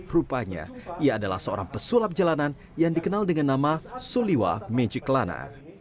rupanya ia adalah seorang pesulap jalanan yang dikenal dengan nama suliwa mejiklana